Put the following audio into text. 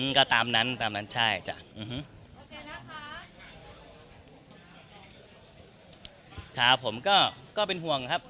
อืมก็ตามนั้นตามนั้นใช่จ้ะอื้อฮึมค่ะผมก็เป็นห่วงครับ